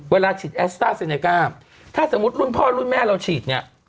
เวลาฉีดแอสต้าเซเนก้าถ้าสมมุติรุ่นพ่อรุ่นแม่เราฉีดเนี่ย